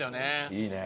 いいね。